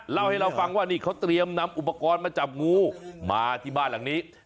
เล่าให้เราฟังว่านี่เขาเตรียมนำอุปกรณ์มาจับงูมาที่บ้านหลังนี้